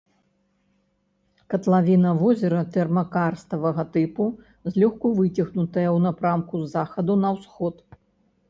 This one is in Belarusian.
Катлавіна возера тэрмакарставага тыпу, злёгку выцягнутая ў напрамку з захаду на ўсход.